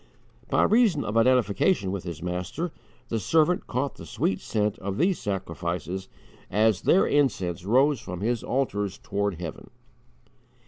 By reason of identification with his Master, the servant caught the sweet scent of these sacrifices as their incense rose from His altars toward heaven.